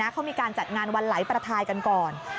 เขามีการจัดงานวันไหลประทายกันก่อน